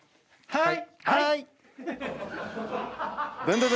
はい！